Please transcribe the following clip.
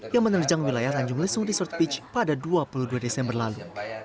yang menerjang wilayah tanjung lesung desort pitch pada dua puluh dua desember lalu